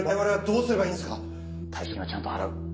退職金はちゃんと払う。